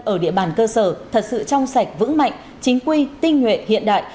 ở địa bàn cơ sở thật sự trong sạch vững mạnh chính quy tinh nguyện hiện đại